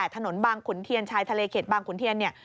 ถนนบางขุนเทียนชายทะเลเขตบางขุนเทียนเนี่ย